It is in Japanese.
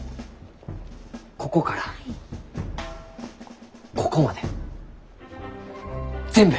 ここからここまで全部。